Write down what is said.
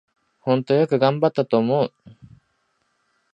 ほんとよく頑張ったと思う